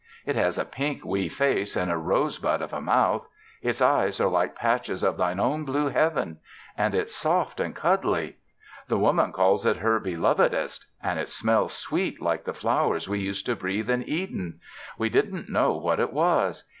It has a pink, wee face and a rose bud of a mouth. It's eyes are like patches of Thine own blue Heaven. And it's soft and cuddly. The Women calls it her 'Belovedest.' And it smells sweet like the flowers we used to breathe in Eden. We didn't know what it was.